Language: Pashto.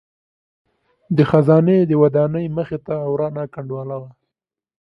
د خزانې د ودانۍ مخې ته ورانه کنډواله وه.